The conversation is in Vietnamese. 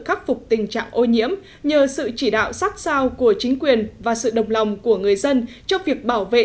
khắc phục tình trạng ô nhiễm nhờ sự chỉ đạo sát sao của chính quyền và sự đồng lòng của người dân trong việc bảo vệ